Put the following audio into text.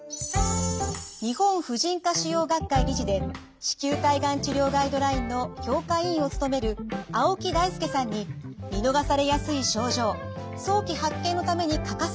日本婦人科腫瘍学会理事で子宮体がん治療ガイドラインの評価委員を務める青木大輔さんに見逃されやすい症状早期発見のために欠かせない情報を伺います。